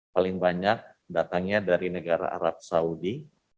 paling banyak datangnya dari negara arab saudi